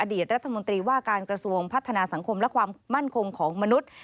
รัฐมนตรีว่าการกระทรวงพัฒนาสังคมและความมั่นคงของมนุษย์